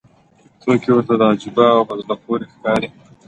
توکي ورته عجیبه او په زړه پورې ښکاري